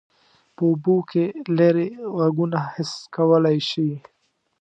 په اوبو کې لیرې غږونه حس کولی شي.